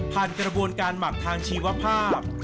กระบวนการหมักทางชีวภาพ